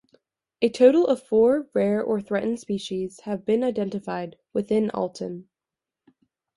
A total of four rare or threatened species have been identified within Alton.